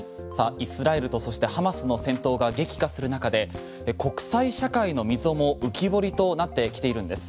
イスラエルとそしてハマスの戦闘が激化する中で国際社会の溝も浮き彫りとなってきているんです。